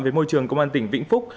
về môi trường công an tỉnh vĩnh phúc